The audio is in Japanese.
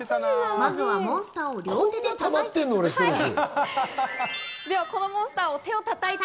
まずはモンスターを両手で。